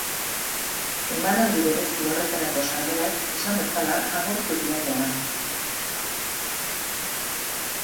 Emanaldi berezi horretarako sarrerak, esan bezala, agortu dira jada.